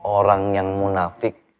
orang yang munafik